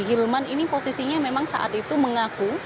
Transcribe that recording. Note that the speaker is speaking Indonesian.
hilman ini posisinya memang saat itu mengaku